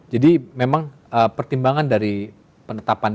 jadi memang pertimbangan dari penetapan